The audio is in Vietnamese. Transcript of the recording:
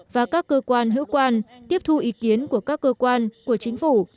và các cơ quan hữu quan tiếp thu ý kiến của các cơ quan của chính phủ